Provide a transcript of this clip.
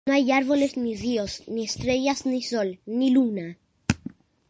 No hay árboles, ni ríos, ni estrellas, ni sol, ni luna.